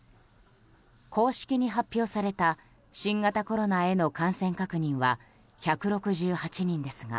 公式に発表された新型コロナへの感染確認は１６８人ですが